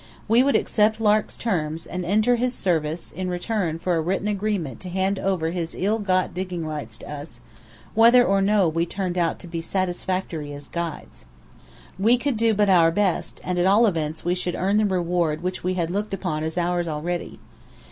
We would accept Lark's terms, and enter his service in return for a written agreement to hand over his ill got digging rights to us, whether or no we turned out to be satisfactory as guides. We could but do our best, and at all events we should earn the reward which we had looked upon as ours already.